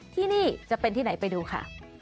ที่นี่จะเป็นที่ไหนไปดูค่ะ